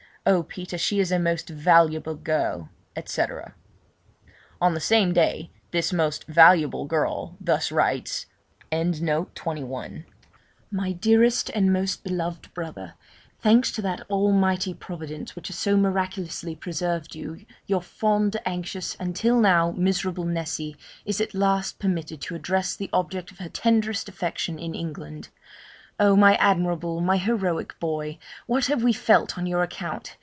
Oh! Peter, she is a most valuable girl,' etc. On the same day this 'most valuable girl' thus writes: 'MY DEAREST AND MOST BELOVED BROTHER Thanks to that Almighty Providence which has so miraculously preserved you, your fond, anxious, and, till now, miserable Nessy, is at last permitted to address the object of her tenderest affection in England! Oh! my admirable, my heroic boy, what have we felt on your account!